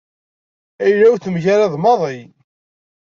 Ayla-w temgarad maḍi.